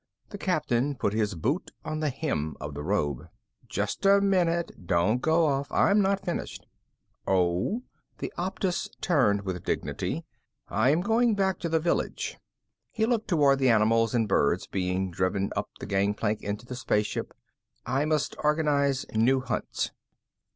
The Captain put his boot on the hem of the robe. "Just a minute. Don't go off. I'm not finished." "Oh?" The Optus turned with dignity. "I am going back to the village." He looked toward the animals and birds being driven up the gangplank into the spaceship. "I must organize new hunts."